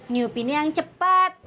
nyupinnya yang cepet